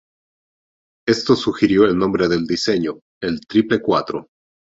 Esto sugirió el nombre del diseño, el "Triple-Cuatro".